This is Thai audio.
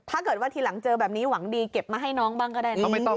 ถ้าเกิดว่าทีหลังเจอแบบนี้หวังดีเก็บมาให้น้องบ้างก็ได้นะ